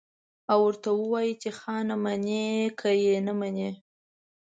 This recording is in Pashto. او ورته ووايي چې خانه منې که يې نه منې.